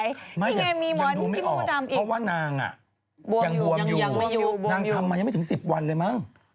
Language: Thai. ยังดูไม่ออกเพราะว่านางยังบวมอยู่นางทำมายังไม่ถึง๑๐วันเลยมั้ง